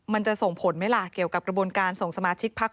มันจะส่งผลไหมล่ะเกี่ยวกับกระบวนการส่งสมาชิกพัก